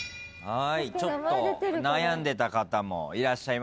はい。